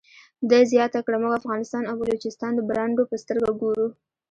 ده زیاته کړه موږ افغانستان او بلوچستان د برنډو په سترګه ګورو.